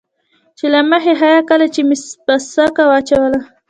چې له مخې حيا کله چې مو پسکه واچوله.